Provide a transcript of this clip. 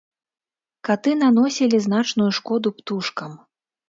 Каты наносілі значную шкоду птушкам.